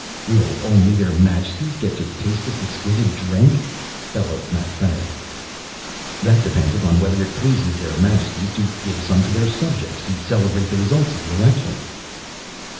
"Will only Their Majesties get to taste this exquisite drink?" bellowed Mapfarity. "That depends upon whether it pleases Their Majesties to give some to their subjects to celebrate the result of the elections."